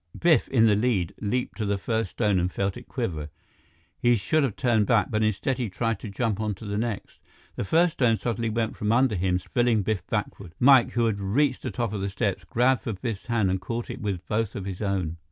Biff, in the lead, leaped to the first stone and felt it quiver. He should have turned back, but instead, he tried to jump on to the next. The first stone suddenly went from under him, spilling Biff backward. Mike, who had reached the top of the steps, grabbed for Biff's hand and caught it with both of his own.